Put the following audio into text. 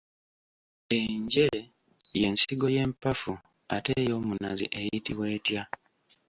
Enje ye nsigo y'empafu ate ey'omunazi eyitibwa etya?